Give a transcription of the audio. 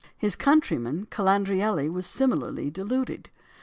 His countryman, Calandrelli, was similarly deluded.